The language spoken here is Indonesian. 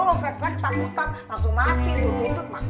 lo reak reak takut tak langsung emak